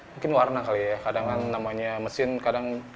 mungkin warna kali ya kadang namanya mesin kadang nggak konsisten